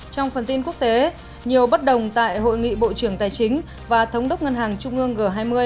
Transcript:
trong phần tin quốc tế nhiều bất đồng tại hội nghị bộ trưởng tài chính và thống đốc ngân hàng trung ương g hai mươi